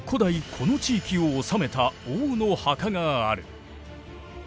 この地域を治めた王の墓がある。